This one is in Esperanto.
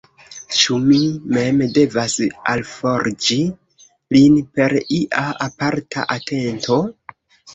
Ĉu mi mem devas alforĝi lin per ia aparta atento?